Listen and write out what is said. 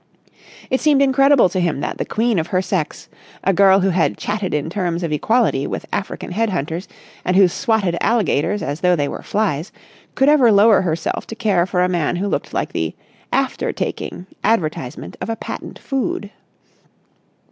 It seemed incredible to him that the queen of her sex, a girl who had chatted in terms of equality with African head hunters and who swatted alligators as though they were flies, could ever lower herself to care for a man who looked like the "after taking" advertisement of a patent food.